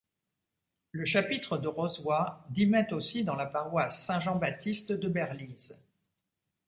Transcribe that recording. Le chapitre de Rozoy dîmait aussi dans la paroisse Saint-Jean-Baptiste de Berlise.